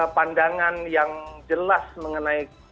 pandangan yang jelas mengenai